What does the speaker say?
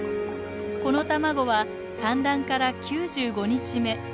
この卵は産卵から９５日目。